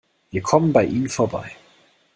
Wir kommen bei ihnen vorbei.